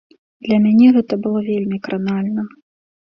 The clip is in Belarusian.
Для мяне гэта было вельмі кранальна.